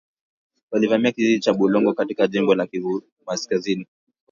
Walivamia kijiji cha Bulongo katika jimbo la Kivu kaskazini.